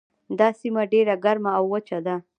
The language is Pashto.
دا سیمه ډیره ګرمه او وچه ده.